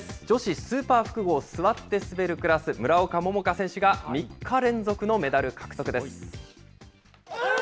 女子スーパー複合座って滑るクラス、村岡桃佳選手が３日連続でメダル獲得です。